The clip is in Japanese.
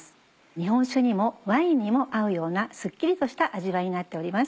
日本酒にもワインにも合うようなスッキリとした味わいになっております。